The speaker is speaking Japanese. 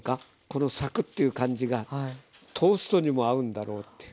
このサクッという感じがトーストにも合うんだろうって。